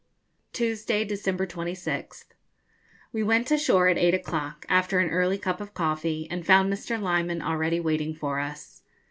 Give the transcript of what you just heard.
_ Tuesday, December 26th. We went ashore at eight o'clock, after an early cup of coffee, and found Mr. Lyman already waiting for us.